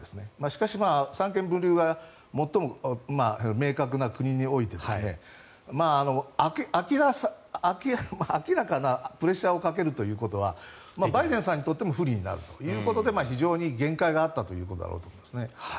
しかし、三権分立が最も明確な国において明らかなプレッシャーをかけるということはバイデンさんにとっても不利になるということで非常に限界があったということだろうと思いますね。